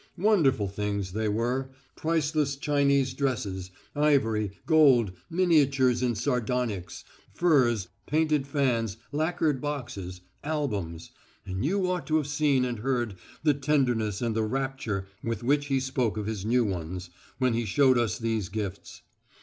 Wonderful things they were priceless Chinese dresses, ivory, gold, miniatures in sardonyx, furs, painted fans, lacquered boxes, albums and you ought to have seen and heard the tenderness and the rapture with which he spoke of his new ones, when he showed us these gifts.